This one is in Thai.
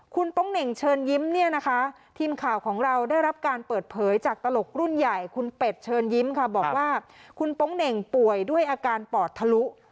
คุณโป๊งเหน่งเชิญยิ้มเนี่ยนะคะทีมข่าวของเราได้รับการเปิดเผยจากตลกรุ่นใหญ่คุณเป็ดเชิญยิ้มค่ะบอกว่าคุณโป๊งเหน่งป่วยด้วยอาการปอดทะลุ